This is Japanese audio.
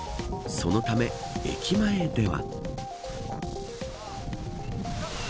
そのため、駅前では。